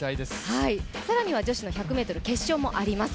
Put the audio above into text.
更には女子の１００ｍ決勝もあります。